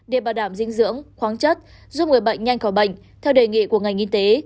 để bảo đảm dinh dưỡng khoáng chất giúp người bệnh nhanh khỏi bệnh theo đề nghị của ngành y tế